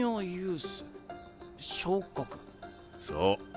そう。